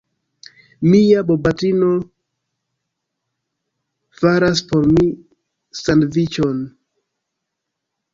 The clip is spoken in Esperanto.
Mia bopatrino faras por mi sandviĉon.